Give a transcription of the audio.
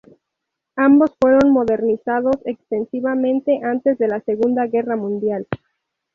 Ambos fueron modernizados extensivamente antes de la Segunda Guerra Mundial.